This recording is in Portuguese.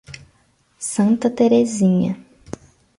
Santa Teresinha